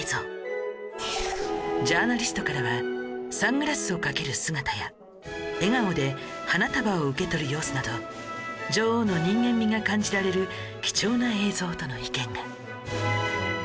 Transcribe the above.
ジャーナリストからはサングラスをかける姿や笑顔で花束を受け取る様子など女王の人間味が感じられる貴重な映像との意見が